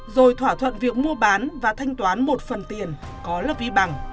rồi thỏa thuận việc mua bán và thanh toán một phần tiền có là vi bằng